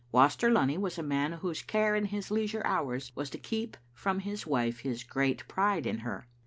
Waster Lunny was a man whose care in his leisure hours was to keep from his wife his great pride in her.